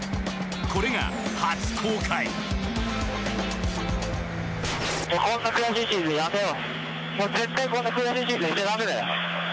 これが初公開おぉ。